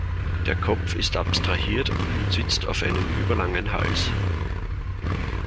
Der Kopf ist abstrahiert und sitzt auf einem überlangen Hals.